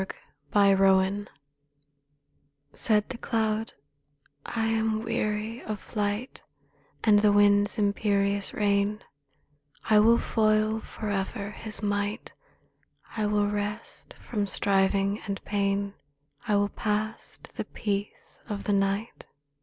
43 THE CLOUD Said the cloud, "I am weary of flight And the wind's imperious reign: I will foil forever his might; I will rest from striving and pain; I will pass to the peace of night.'